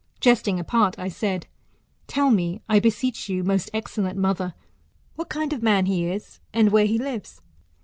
Jesting apart, I said, tell me, I beseech you, most excellent mother, what kind of man he is, and where he lives